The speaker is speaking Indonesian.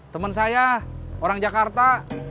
temen saya orang jakarta